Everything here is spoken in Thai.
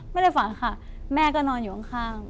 ไม่ได้ฝันค่ะแม่ก็นอนอยู่ข้าง